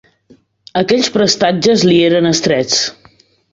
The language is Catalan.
Aquells prestatges li eren estrets